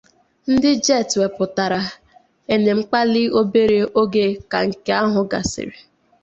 Ndị Jets wepụtara Enemkpali obere oge ka nke ahụ gasịrị.